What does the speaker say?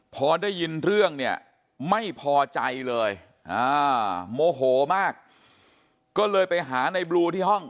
พอได้ยินเรื่องเนี่ยไม่พอใจเลยโมโหมากก็เลยไปหาในบลูที่ห้อง